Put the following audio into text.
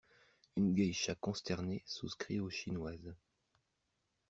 Une geisha consternée souscrit aux chinoises.